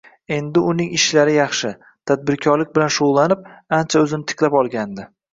Endi uning ishlari yaxshi, tadbirkorlik bilan shug'ullanib, ancha o'zini tiklab olgandi